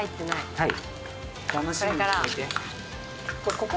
はい。